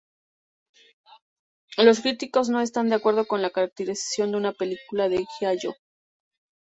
Los críticos no están de acuerdo con la caracterización de una película de "giallo".